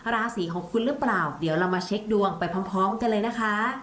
ราศีของคุณหรือเปล่าเดี๋ยวเรามาเช็คดวงไปพร้อมกันเลยนะคะ